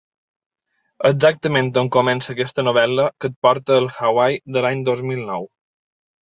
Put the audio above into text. Exactament on comença aquesta novel·la que et porta al Hawaii de l'any dos mil nou.